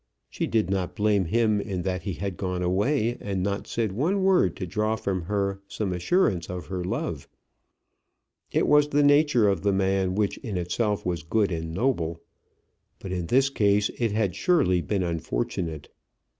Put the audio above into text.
She did not blame him in that he had gone away, and not said one word to draw from her some assurance of her love. It was the nature of the man, which in itself was good and noble. But in this case it had surely been unfortunate.